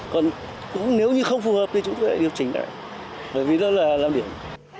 còn nếu như không phù hợp thì chúng tôi lại điều chỉnh lại bởi vì đó là làm điểm